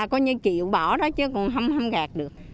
coi như chịu bỏ đó chứ không gạt được